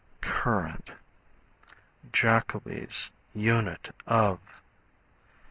Current, Jacobi's Unit of.